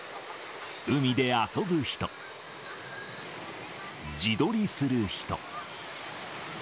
海で遊ぶ人、自撮りする人。